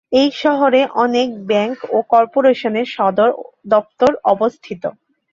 এই শহরে অনেক ব্যাংক ও কর্পোরেশনের সদর দপ্তর অবস্থিত।